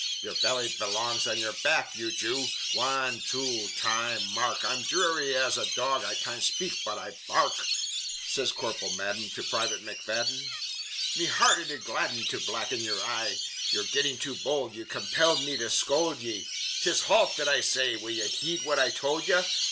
Yer belly belongs on yer back, ye Jew! Wan two! Time! Mark! I'm dhry as a dog I can't shpake but I bark!" Sez Corporal Madden to Private McFadden: "Me heart it ud gladden To blacken yer eye. Ye're gettin' too bold, ye Compel me to scold ye 'T is halt! that I say Will ye heed what I told ye?